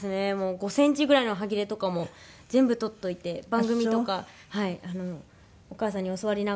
５センチぐらいの端切れとかも全部取っておいて番組とかお母さんに教わりながら。